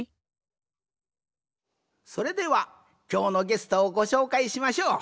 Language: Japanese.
それではきょうのゲストをごしょうかいしましょう。